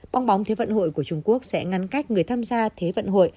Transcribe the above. bong bóng thế vận hội của trung quốc sẽ ngăn cách người tham gia thế vận hội